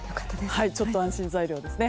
ちょっと安心材料ですね。